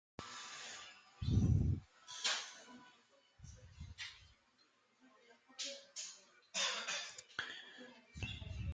Les loges consistent à accueillir les artistes avant le concert.